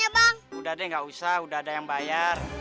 banten minta mainan banyak ya